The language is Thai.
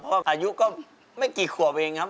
เพราะว่าอายุก็ไม่กี่ขวบเองนะครับ